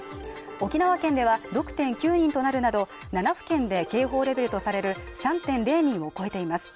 沖縄県では６．９人となるなど７府県で警報レベルとされる３．０人を超えています